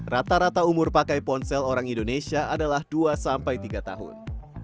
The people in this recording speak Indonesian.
rata rata umur pakai ponsel orang indonesia adalah dua sampai tiga tahun